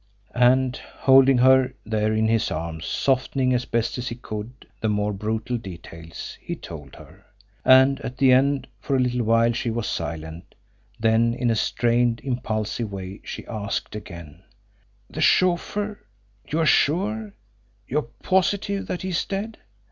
And, holding her there in his arms, softening as best he could the more brutal details, he told her. And, at the end, for a little while she was silent; then in a strained, impulsive way she asked again: "The chauffeur you are sure you are positive that he is dead?"